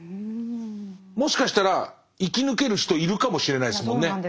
もしかしたら生き抜ける人いるかもしれないですもんね。